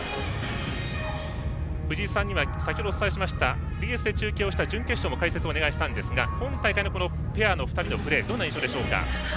藤井さんには先ほどお伝えしましたＢＳでの準決勝の解説もお願いしたんですが今大会のペアの２人のプレーどんな印象ですか？